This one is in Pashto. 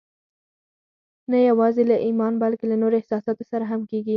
نه يوازې له ايمان بلکې له نورو احساساتو سره هم کېږي.